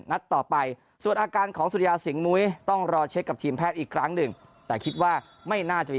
นัดต่อไปส่วนอาการของสุริยาสิงหมุ้ยต้องรอเช็คกับทีมแพทย์อีกครั้งหนึ่งแต่คิดว่าไม่น่าจะมี